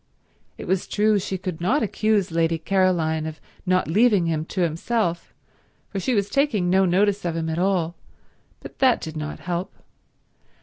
It was true she could not accuse Lady Caroline of not leaving him to himself, for she was taking no notice of him at all, but that did not help.